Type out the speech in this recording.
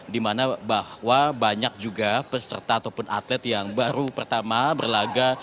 dimana bahwa banyak juga peserta ataupun atlet yang baru pertama berlaga